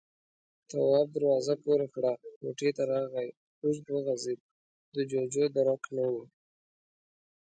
تواب دروازه پورې کړه، کوټې ته راغی، اوږد وغځېد، د جُوجُو درک نه و.